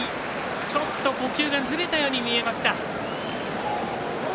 ちょっと呼吸がずれたように見えました。